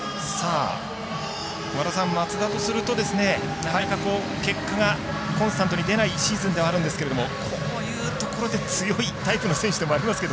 松田とすると、なかなか結果がコンスタントに出ないシーズンではあるんですがこういうところで強いタイプの選手でもありますが。